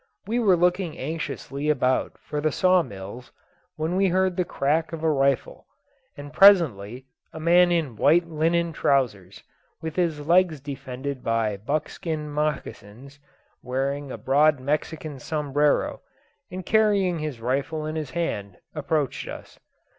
We were looking anxiously about for the saw mills, when we heard the crack of a rifle; and presently a man in white linen trousers, with his legs defended by buckskin mocassins, wearing a broad Mexican sombrero, and carrying his rifle in his hand, approached us.